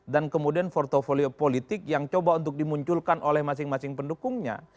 dan kemudian portfolio politik yang coba untuk dimunculkan oleh masing masing pendukungnya